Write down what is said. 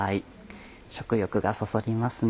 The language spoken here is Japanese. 食欲がそそりますね。